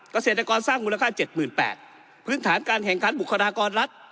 เกษตรกรสร้างมูลค่า๗๘๐๐พื้นฐานการแข่งขันบุคลากรรัฐ